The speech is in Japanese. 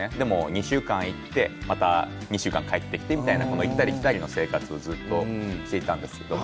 ２週間行ってまた２週間帰ってきてという行ったり来たりの生活をずっとしていたんですけれども。